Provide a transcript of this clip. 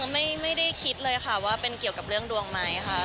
ไม่ได้คิดเลยค่ะว่าเป็นเกี่ยวกับเรื่องดวงไหมค่ะ